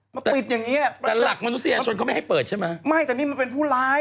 ปิดอย่างเงี้ยแต่หลักมนุษยชนเขาไม่ให้เปิดใช่ไหมไม่แต่นี่มันเป็นผู้ร้าย